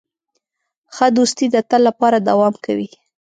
ښه دوستي د تل لپاره دوام کوي.